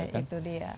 nah itu dia